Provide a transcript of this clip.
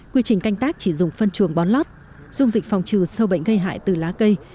quy trình canh tác chỉ dùng phân chuồng bón lót dung dịch phòng trừ sâu bệnh gây hại từ lá cây